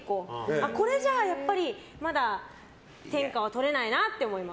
これじゃやっぱりまだ天下は取れないなと思います。